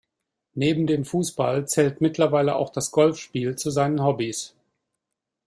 Neben dem Fußball zählt mittlerweile auch das Golfspiel zu seinen Hobbys.